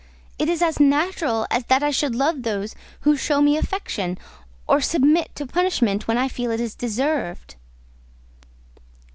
It is as natural as that I should love those who show me affection, or submit to punishment when I feel it is deserved."